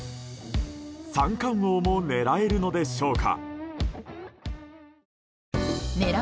三冠王も狙えるのでしょうか。